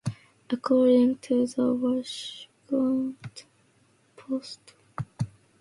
According to the Washington Post, Benchellali was known as the chemist.